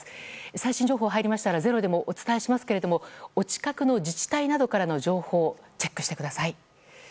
最新情報が入りましたら「ｚｅｒｏ」でもお伝えしますがお近くの自治体などからの情報をチェックしてください。